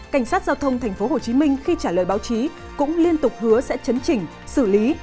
cảnh sát giao thông tp hcm khi trả lời báo chí cũng liên tục hứa sẽ chấn chỉnh xử lý